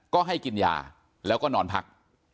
ก็ให้กินยาแล้วก็นอนพัก